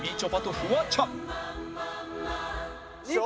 フワちゃんか。